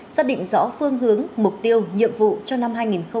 xác định rõ phương hướng mục tiêu nhiệm vụ cho năm hai nghìn hai mươi